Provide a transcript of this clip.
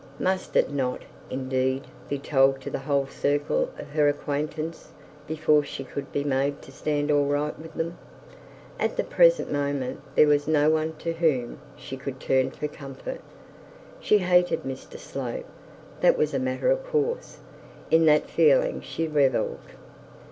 Must it not, indeed, be told to the whole circle of her acquaintance before she could be made to stand all right with them? At the present moment there was no one to whom she could turn for comfort. She hated Mr Slope; that was a matter of course, in that feeling she revelled.